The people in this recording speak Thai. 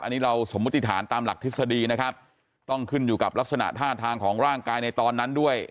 อันนี้เราสมมุติฐานตามหลักทฤษฎีนะครับต้องขึ้นอยู่กับลักษณะท่าทางของร่างกายในตอนนั้นด้วย